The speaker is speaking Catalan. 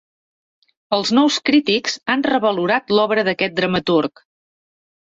Els nous crítics han revalorat l'obra d'aquest dramaturg.